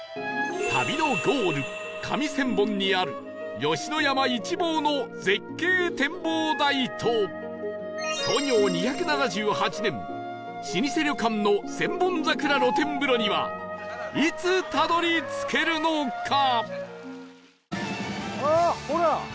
旅のゴール上千本にある吉野山一望の絶景展望台と創業２７８年老舗旅館の千本桜露天風呂にはいつたどり着けるのか？